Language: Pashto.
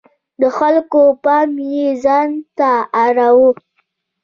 د خلکو پام یې ځانته اړاوه.